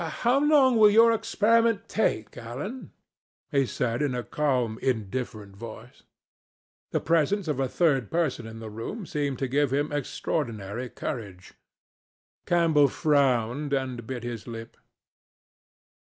"How long will your experiment take, Alan?" he said in a calm indifferent voice. The presence of a third person in the room seemed to give him extraordinary courage. Campbell frowned and bit his lip.